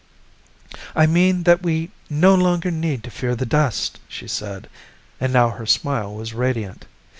"I mean that we no longer need to fear the dust," she said, and now her smile was radiant.